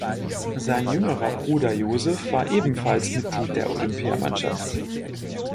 Sein jüngerer Bruder Joseph war ebenfalls Mitglied der Olympia-Mannschaft.